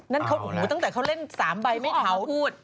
นั่นเขาโอ้โฮตั้งแต่เขาเล่น๓ใบไม่เทาคือออกมาพูด